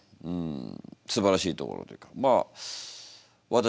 すばらしいところというか。